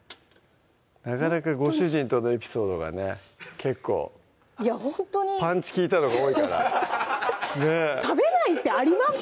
なかなかご主人とのエピソードがね結構パンチ利いたのが多いから食べないってあります？